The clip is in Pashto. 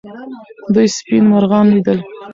دوی سپین مرغان لیدل.